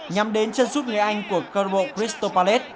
nhằm đến chân sút người anh của corbeau cristopales